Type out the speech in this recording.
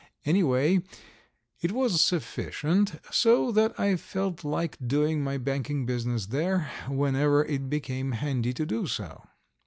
Anyway, it was sufficient, so that I felt like doing my banking business there whenever it became handy to do so.